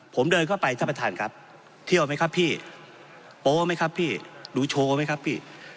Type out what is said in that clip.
ผมเดินเข้าไปท่านประธานครับเที่ยวไหมครับพี่โป๊ไหมครับพี่ดูโชว์ไหมครับพี่